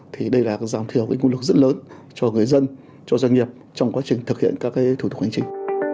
thì đây là dòng thiều nguyên lực rất lớn cho người dân cho doanh nghiệp trong quá trình thực hiện các thủ tục hành chính